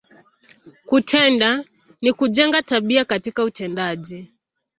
Kutenda, ni kujenga, tabia katika utendaji.